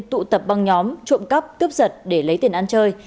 tụ tập băng nhóm trộm cắp cướp giật để lấy tiền ăn chơi